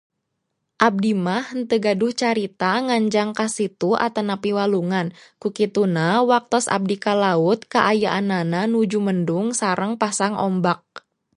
Abdi mah henteu gaduh carita nganjang ka situ atanapi walungan, kukituna waktos abdi ka laut kaayanana nuju mendung sareng pasang ombak.